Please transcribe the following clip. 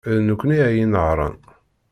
D nekkni ay inehhṛen.